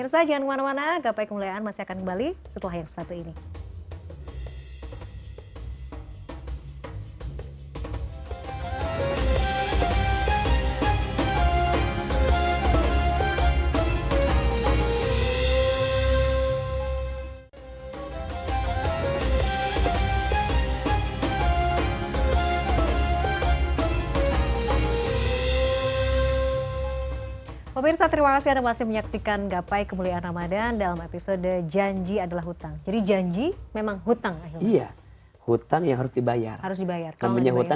saling mendoakan pemimpin kita